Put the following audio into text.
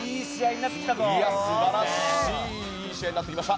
素晴らしいいい試合になってきました。